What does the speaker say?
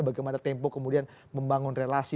bagaimana tempo kemudian membangun relasi